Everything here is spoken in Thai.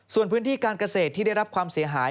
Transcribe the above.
ส่วนพื้นที่การเกษตรที่ได้รับความเสียหาย